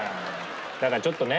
だからちょっとね